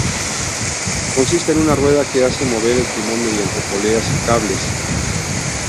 Consiste en una rueda que hace mover el timón mediante poleas y cables.